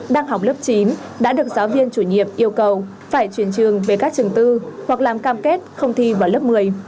đang học lớp chín đã được giáo viên chủ nhiệm yêu cầu phải chuyển trường về các trường tư hoặc làm cam kết không thi vào lớp một mươi